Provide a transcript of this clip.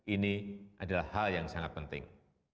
ini adalah hal yang sangat penting